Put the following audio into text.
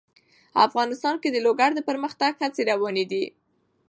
افغانستان کې د لوگر د پرمختګ هڅې روانې دي.